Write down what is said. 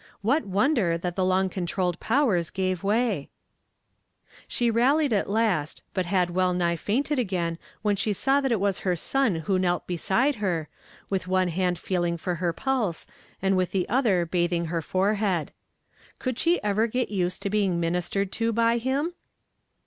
What wonder that the long controlled powers gave way ? She rallied at last, but had well nigh fainted again when she saw that it was her son wlio knelt beside her, with one hand feeling for her pulse, and with the other bathing her foreliead. Could she ever get used to being ministered to by him?